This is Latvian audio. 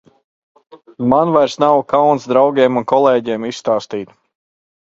Man vairs nav kauns draugiem un kolēģiem izstāstīt.